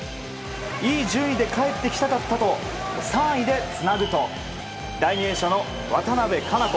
いい順位で帰ってきたかったと３位でつなぐと第２泳者の渡部香生子。